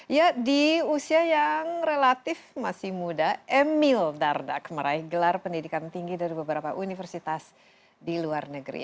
ya di usia yang relatif masih muda emil dardak meraih gelar pendidikan tinggi dari beberapa universitas di luar negeri